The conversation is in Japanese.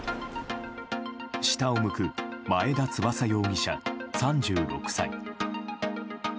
下を向く前田翼容疑者３６歳。